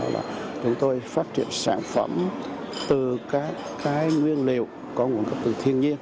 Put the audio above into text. là chúng tôi phát triển sản phẩm từ các cái nguyên liệu có nguồn gốc từ thiên nhiên